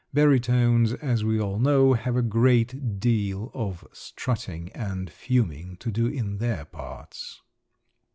Baritones, as we all know, have a great deal of strutting and fuming to do in their parts.